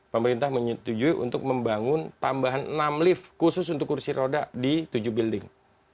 pemerintah menyetujui untuk membangun tambahan enam lift khusus untuk kursi roda di tujuh building